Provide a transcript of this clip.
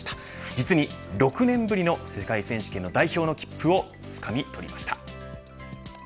実に６年ぶりの世界選手権の代表の切符をつかみ取りました。